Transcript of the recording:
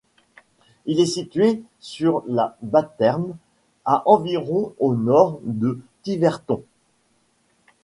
Elle est située sur la Batherm, à environ au nord de Tiverton.